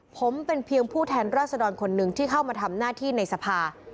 ผมเป็นเพียงผู้แทนราษดรคนหนึ่งที่เข้ามาทำหน้าที่ในสภา